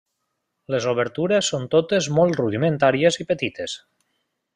Les obertures són totes molt rudimentàries i petites.